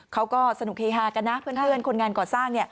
เขาก็สนุกเฮฮากันนะเพื่อนคนงานก่อสร้าง